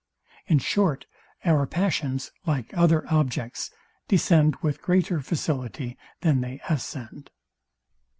In short, our passions, like other objects, descend with greater facility than they ascend.